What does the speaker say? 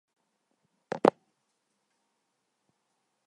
阿法埃娅。